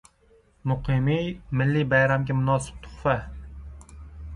«Muqimiy» — milliy bayramga munosib tuhfa!